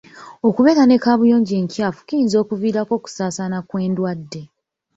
Okubeera ne kaabuyonjo enkyafu kiyinza okuviirako okusaasaana kw'endwadde.